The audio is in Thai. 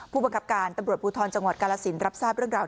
ผู้บังคับการตำรวจภูทรจังหวัดกาลสินรับทราบเรื่องราว